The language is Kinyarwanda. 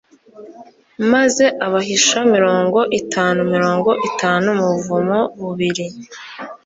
maze abahisha mirongo itanu mirongo itanu mu buvumo bubiri